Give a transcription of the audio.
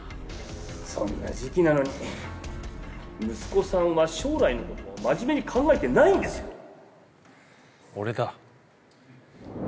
そんな時期なのに息子さんは将来のことを真面目に考えてないんですよ。